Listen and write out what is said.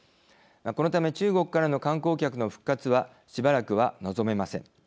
このため中国からの観光客の復活はしばらくは望めません。